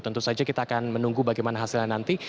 tentu saja kita akan menunggu bagaimana hasilnya nanti